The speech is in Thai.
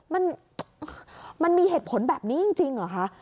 มันมันมีเหตุผลแบบนี้จริงเหรอคะ